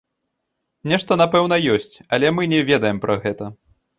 Нешта напэўна ёсць, але мы не ведаем пра гэта.